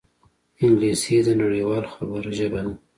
انګلیسي د نړيوال خبر ژبه ده